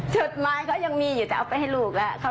จดหมายเขายังมีอยู่แต่เอาไปให้ลูกแล้ว